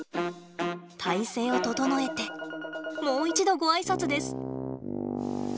体勢を整えてもう一度ご挨拶です。